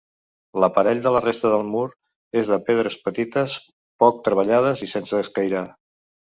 L'aparell de la resta del mur és de pedres petites poc treballades i sense escairar.